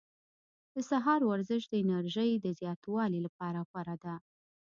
د سهار ورزش د انرژۍ د زیاتوالي لپاره غوره ده.